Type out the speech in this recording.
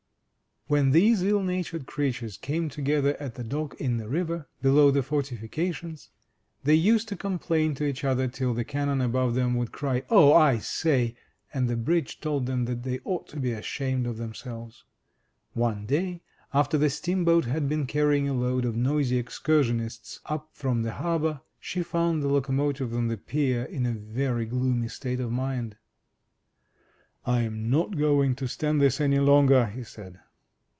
When these ill natured creatures came together at the dock in the river, below the fortiiScations, they used to complain to each other till the cannon above them would cry, "Oh, I say!*' and the bridge told them that they ought to be ashamed of themselves. One day, after the steamboat had been carrying a load of noisy excursionists up from the harbor, she found the locomotive on the pier in a very gloomy state of mind. "Fm not going to stand this any longer!'* he said.